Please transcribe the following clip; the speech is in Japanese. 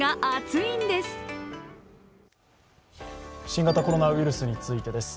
新型コロナウイルスについてです。